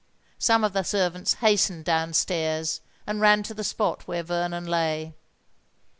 Some of the servants hastened down stairs, and ran to the spot where Vernon lay.